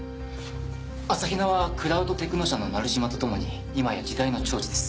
朝比奈はクラウドテクノ社の成島とともにいまや時代の寵児です。